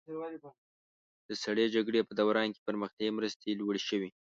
د سړې جګړې په دوران کې پرمختیایي مرستې لوړې شوې.